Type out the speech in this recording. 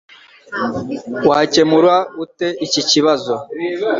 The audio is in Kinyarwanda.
Wakemura ute iki kibazo